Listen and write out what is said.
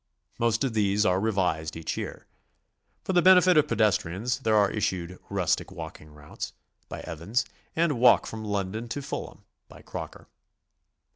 Most of these are revised each year. For the benefit of pedestrians there are issued "Rustic Walking Routes," by Evans, and "Walk from Lon don to Fulham," by Crocker.